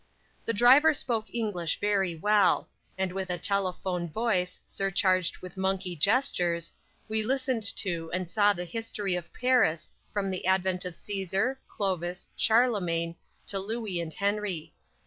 The driver spoke English very well, and with a telephone voice, surcharged with monkey gestures, we listened to and saw the history of Paris from the advent of Cæsar, Clovis, Charlemagne to Louis and Henry.